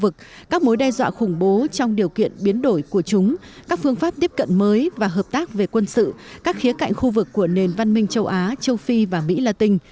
các mối đe dọa khủng bố trong điều kiện biến đổi của chúng các phương pháp tiếp cận mới và hợp tác về quân sự các khía cạnh khu vực của nền văn minh châu á châu phi và mỹ latin